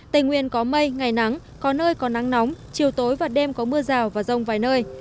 tây nguyên có mây ngày nắng có nơi có nắng nóng chiều tối và đêm có mưa rào và rông vài nơi